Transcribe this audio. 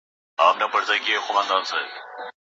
تاريخي پيښو د پانګونې مخه ونيوله.